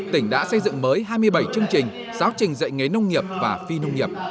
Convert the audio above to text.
tỉnh đã xây dựng mới hai mươi bảy chương trình giáo trình dạy nghề nông nghiệp và phi nông nghiệp